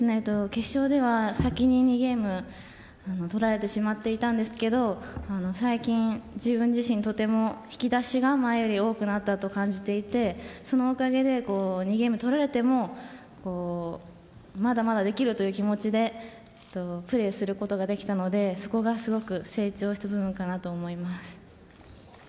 決勝では先に２ゲーム取られてしまっていたんですけど最近、自分自身とても引き出しが前より多くなったと感じていてそのおかげで２ゲーム取られてもまだまだできるという気持ちでプレーすることができたのでそこがすごく成長した部分かなと思います。